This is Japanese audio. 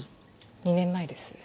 ２年前です。